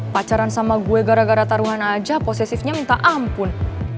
pacaran sama gue gara gara taruhan aja posesifnya minta ampun